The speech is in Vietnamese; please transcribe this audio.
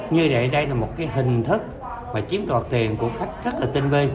như vậy đây là một hình thức mà chiếm đoạt tiền của khách rất là tinh viên